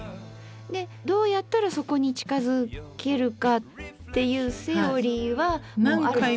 でどうやったらそこに近づけるかっていうセオリーはあるんですか？